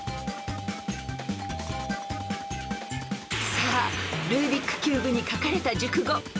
［さあルービックキューブに書かれた熟語分かりますか？］